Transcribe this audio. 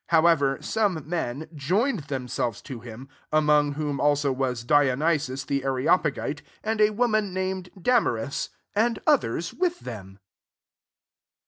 34 However, some men joined themselves to him, among whom also was Diony sius the Areopagite, and a wo man named Damai^is, and others with them.